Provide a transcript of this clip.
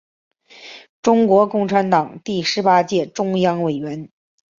中国共产党第十八届中央委员。